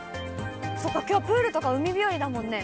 そっか、きょうプールとか海日和だもんね。